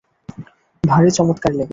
ভারী চমৎকার লেগেছে।